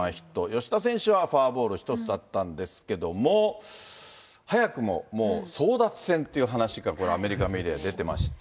吉田選手はフォアボール１つだったんですけれども、早くももう争奪戦という話がアメリカメディアで出てまして。